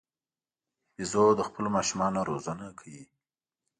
بیزو د خپلو ماشومانو روزنه کوي.